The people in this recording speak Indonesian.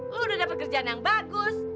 lo udah dapet kerjaan yang bagus